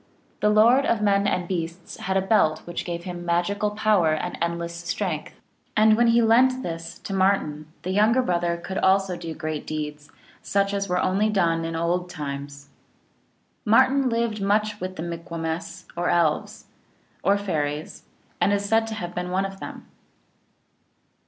The Lord of men and beasts had a belt which gave him magical power and endless strength. And when he lent this to Martin, the younger brother could also do great deeds, such as were only done in old times. Martin lived much with the Mikumwess or Elves, or Fairies, and is said to have been one of them.